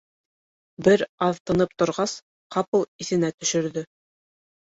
Бер аҙ тынып торғас, ҡапыл иҫенә төшөрҙө: